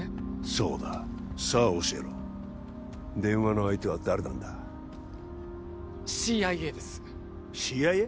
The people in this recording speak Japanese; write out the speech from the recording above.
そうださあ教えろ電話の相手は誰なんだＣＩＡですＣＩＡ！？